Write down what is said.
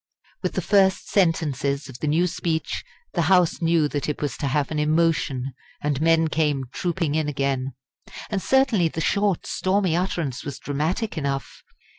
With the first sentences of the new speech the House knew that it was to have an emotion, and men came trooping in again. And certainly the short stormy utterance was dramatic enough.